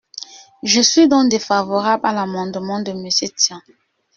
Je suis donc défavorable à l’amendement de Monsieur Tian.